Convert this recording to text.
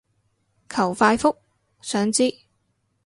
求快覆，想知